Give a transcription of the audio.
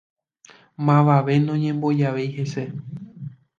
Mavave noñembojavéi hese